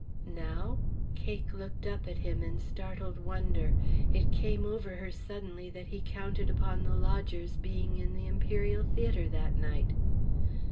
"Now?" Cake looked up at him in startled wonder. It came over her suddenly that he counted upon the lodger's being in the Imperial Theatre that night.